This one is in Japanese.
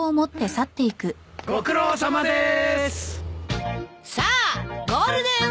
ご苦労さまです。